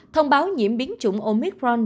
thông báo nhiễm biến chủng omicron